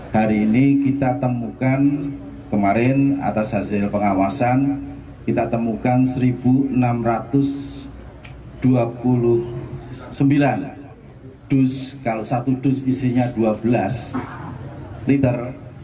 hari ini kita temukan kemarin atas hasil pengawasan kita temukan satu enam ratus dua puluh sembilan dus kalau satu dus isinya dua belas liter